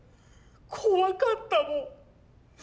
怖かったもん。